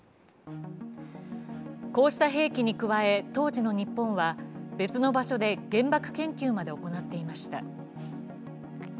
こうした兵器に加え、当時の日本は別の場所で原爆研究まで行っていました。